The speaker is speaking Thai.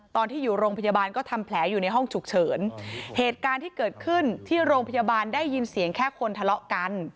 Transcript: ตอนที่อยู่โรงพยาบาลก็ทำแผลอยู่ในห้องฉุกเฉินเหตุการณ์ที่เกิดขึ้นที่โรงพยาบาลได้ยินเสียงแค่คนทะเลาะกัน